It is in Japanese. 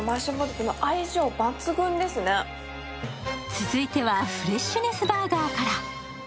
続いてはフレッシュネスバーガーから。